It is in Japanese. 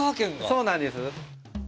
そうなんです。